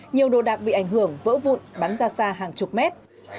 nhiều đồ đạc bị ảnh hưởng vỡ vụn bắn ra xa hàng chục mét